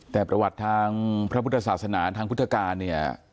แต่ประวัติทางพระพุทธศาสนาทางพุทธการเนี่ย